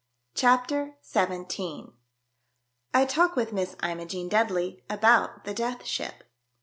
CHAPTER XVII. I TALK WITH MISS IMOGENE DUDLEY ABOUT THE DEATH SHIP.